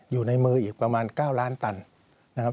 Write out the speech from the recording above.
อยู่ในมืออีกประมาณ๙ล้านตันนะครับ